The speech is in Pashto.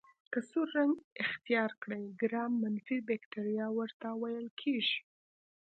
که سور رنګ اختیار کړي ګرام منفي بکټریا ورته ویل کیږي.